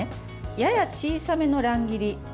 やや小さめの乱切り。